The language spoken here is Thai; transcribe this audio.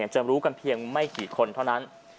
จะรู้กันเพียงไม่กี่คนเท่านั้น